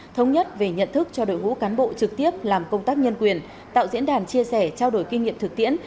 thống nhất về nhận thức cho đội ngũ cán bộ trực tiếp làm công tác nhân quyền tạo diễn đàn chia sẻ trao đổi kinh nghiệm thực tiễn